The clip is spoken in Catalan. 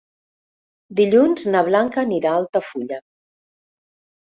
Dilluns na Blanca anirà a Altafulla.